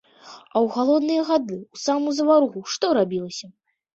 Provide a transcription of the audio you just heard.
А ў галодныя гады, у самую заваруху што рабілася?